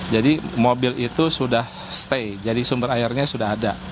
jadi mobil itu sudah stay jadi sumber airnya sudah ada